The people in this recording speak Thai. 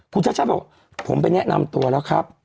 คุณชาติชาติบอกผมไปแนะนำตัวแล้วครับ